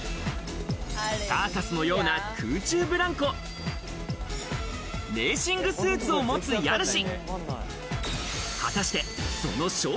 サーカスのような空中ブランコ、レーシングスーツを持つ家主。